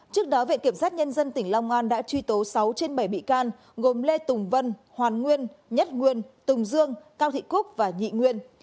trước đó viện kiểm sát nhân dân tỉnh long an đã truy tố sáu trên bảy bị can gồm lê tùng vân hoàn nguyên nhất nguyên tùng dương cao thị cúc và nhị nguyên